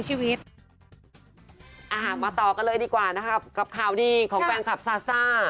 ส่วนต่ำนี้กำลังสบาย